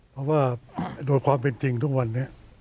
เพราะว่าโดยความเป็นจริงทุกวันนี้